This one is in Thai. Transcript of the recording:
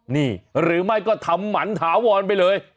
นี่หรือไม่ก็ทำหมันถาวรไปเลย